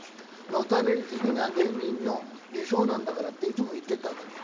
「野垂れ死にが芸人の理想なんだから」っていつも言ってたのに。